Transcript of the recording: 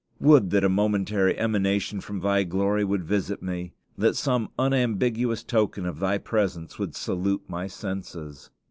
Would that a momentary emanation from Thy glory would visit me! that some unambiguous token of Thy presence would salute my senses!"